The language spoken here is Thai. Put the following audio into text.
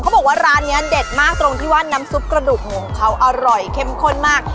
บอกว่าร้านนี้เด็ดมากตรงที่ว่าน้ำซุปกระดูกหมูของเขาอร่อยเข้มข้นมาก